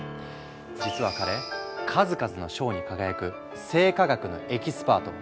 実は彼数々の賞に輝く生化学のエキスパート。